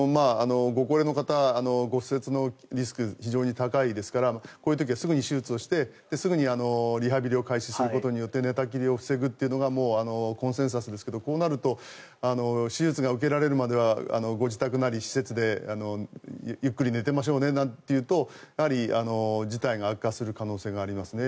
ご高齢の方は骨折のリスクが非常に高いですからこういう時はすぐに手術をしてすぐにリハビリを開始することによって寝たきりを防ぐのがコンセンサスですけれどこうなると手術が受けられるまでご自宅なり施設でゆっくり寝てましょうねなんて言うとやはり事態が悪化する可能性がありますね。